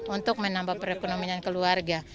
untuk menambah perekonomian keluarga